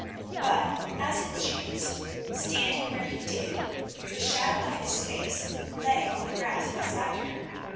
But as it chanced, standing where he did, the shadow of his face lay on the grass beside her.